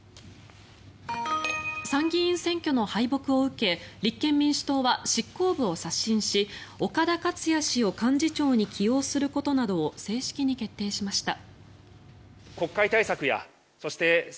参議院選挙の敗北を受け立憲民主党は執行部を刷新し、岡田克也氏を幹事長に起用することなどを正式に決定しました。